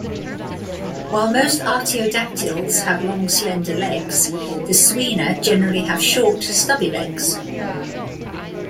While most artiodactyls have long slender legs, the Suina generally have short, stubby legs.